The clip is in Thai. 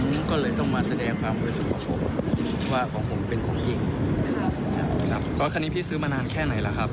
ผมก็เลยต้องมาแสดงความบริสุทธิ์ว่าของผมเป็นของจริงครับรถคันนี้พี่ซื้อมานานแค่ไหนล่ะครับ